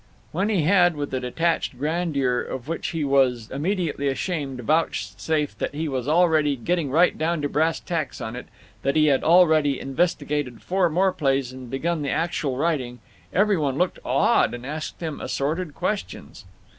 When he had, with a detached grandeur of which he was immediately ashamed, vouchsafed that he was already "getting right down to brass tacks on it," that he had already investigated four more plays and begun the actual writing, every one looked awed and asked him assorted questions.